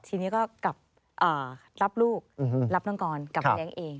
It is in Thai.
ทีนี้ก็กลับรับลูกรับน้องกรกลับไปเลี้ยงเอง